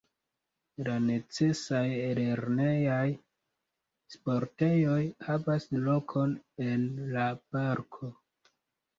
La necesaj lernejaj sportejoj havas lokon en la parko.